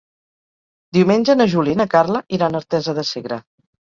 Diumenge na Júlia i na Carla iran a Artesa de Segre.